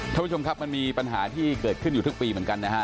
ท่านผู้ชมครับมันมีปัญหาที่เกิดขึ้นอยู่ทุกปีเหมือนกันนะฮะ